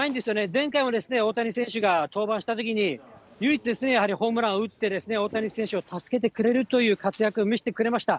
前回も大谷選手が登板したときに、唯一、やはりホームランを打って、大谷選手を助けてくれるという活躍見せてくれました。